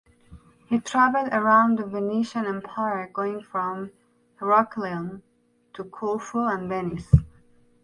He traveled around the Venetian Empire going from Heraklion to Corfu and Venice.